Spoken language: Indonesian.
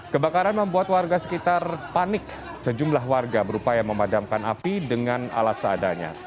kebakaran membuat warga sekitar panik sejumlah warga berupaya memadamkan api dengan alat seadanya